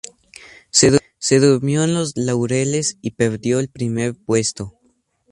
Se durmió en los laureles y perdió el primer puesto